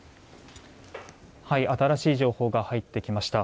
新しい情報が入ってきました。